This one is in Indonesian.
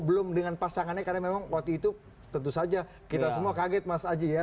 belum dengan pasangannya karena memang waktu itu tentu saja kita semua kaget mas aji ya